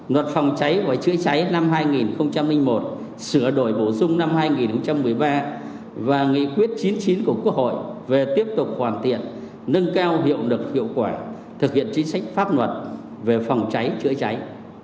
luật phòng cháy và chữa cháy năm hai nghìn một sửa đổi bổ sung năm hai nghìn một mươi ba và nghị quyết chín mươi chín của quốc hội về tiếp tục hoàn thiện nâng cao hiệu lực hiệu quả thực hiện chính sách pháp luật về phòng cháy chữa cháy